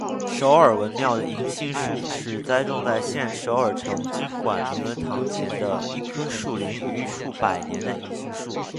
首尔文庙的银杏树是栽种在现首尔成均馆明伦堂前的一棵树龄逾数百年的银杏树。